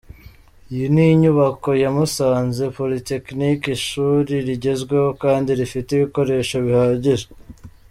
Iyi ni inyubako ya Musanze Polytechnic, ishuri rigezweho kandi rifite ibikoresho bihagije.